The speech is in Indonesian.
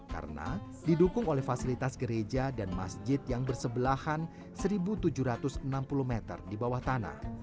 karena didukung oleh fasilitas gereja dan masjid yang bersebelahan seribu tujuh ratus enam puluh meter di bawah tanah